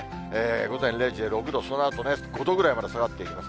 午前０時で６度、そのあと５度くらいまで下がっていきます。